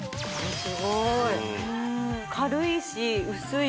すごい！